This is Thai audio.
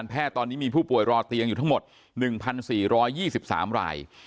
แพทย์ตอนนี้มีผู้ป่วยรอเตียงอยู่ทั้งหมด๑๔๒๓ราย